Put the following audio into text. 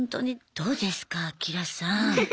どうですかアキラさん。